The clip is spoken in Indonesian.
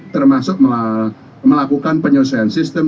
termasuk melakukan penyelesaian sistem